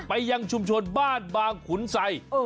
ยังชุมชนบ้านบางขุนไซ